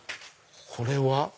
これは？